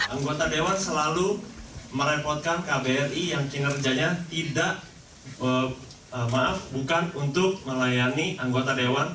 anggota dewan selalu merepotkan kbri yang kinerjanya tidak maaf bukan untuk melayani anggota dewan